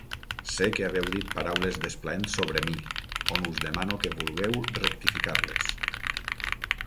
Sé que haveu dit paraules desplaents sobre mi, on us demano que vulgueu rectificar-les.